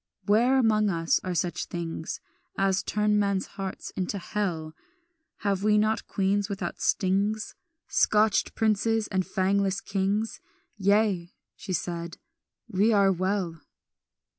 "Where among us are such things As turn men's hearts into hell? Have we not queens without stings, Scotched princes, and fangless kings? Yea," she said, "we are well.